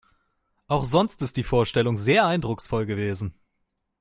Auch sonst ist die Vorstellung sehr eindrucksvoll gewesen.